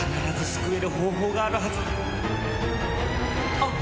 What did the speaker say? あっ！